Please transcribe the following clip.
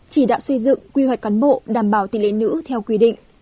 chỉ đạo xây dựng quy hoạch cán bộ đảm bảo tỷ lệ nữ theo quy định